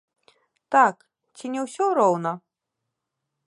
Так, ці не ўсё роўна?